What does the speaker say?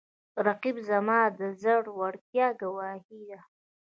رقیب زما د زړورتیا ګواهي ده